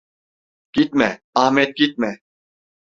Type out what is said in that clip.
Gitme, Ahmet gitme…